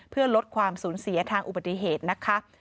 เพื่อลดความสูญเสียทางอุบัติเหตุนะคะ